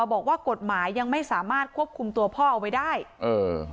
บอกว่ากฎหมายยังไม่สามารถควบคุมตัวพ่อเอาไว้ได้เออ